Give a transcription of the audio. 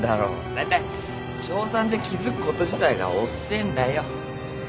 だいたい小３で気付くこと自体が遅えんだよ。